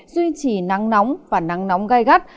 duy trì nắng nóng và nắng nóng gai gắt